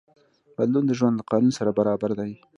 بدلون د ژوند له قانون سره برابر دی.